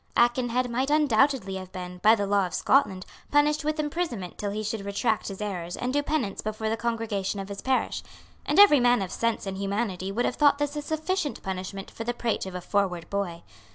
Aikenhead might undoubtedly have been, by the law of Scotland, punished with imprisonment till he should retract his errors and do penance before the congregation of his parish; and every man of sense and humanity would have thought this a sufficient punishment for the prate of a forward boy.